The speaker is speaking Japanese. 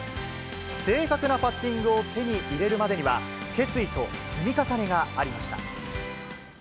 正確なパッティングを手に入れるまでには、決意と積み重ねがありました。